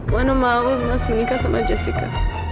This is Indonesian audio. wono mau mas menikah sama jessica